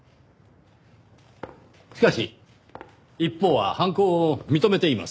しかし一方は犯行を認めています。